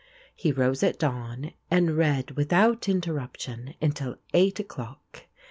He rose at dawn and read without interruption until eight o'clock.